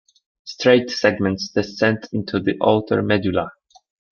Straight segments descend into the outer medulla.